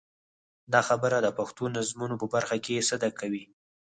دا خبره د پښتو نظمونو په برخه کې صدق کوي.